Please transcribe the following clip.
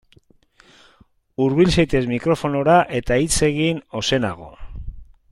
Hurbil zaitez mikrofonora eta hitz egin ozenago.